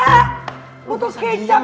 aaaah botol kecap